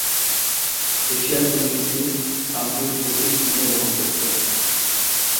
এশিয়ার দুই শিশু শান্তির প্রতীক চিহ্ন বহন করছে